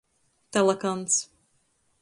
Talakans.